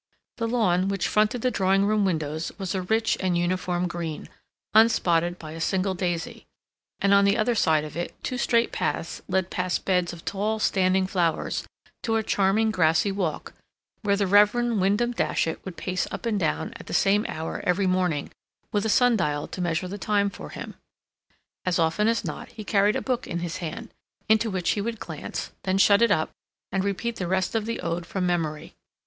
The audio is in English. The lawn, which fronted the drawing room windows, was a rich and uniform green, unspotted by a single daisy, and on the other side of it two straight paths led past beds of tall, standing flowers to a charming grassy walk, where the Rev. Wyndham Datchet would pace up and down at the same hour every morning, with a sundial to measure the time for him. As often as not, he carried a book in his hand, into which he would glance, then shut it up, and repeat the rest of the ode from memory.